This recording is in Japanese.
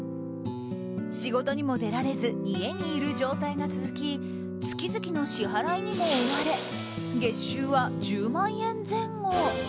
仕事にも出られず家にいる状態が続き月々の支払いにも追われ月収は１０万円前後。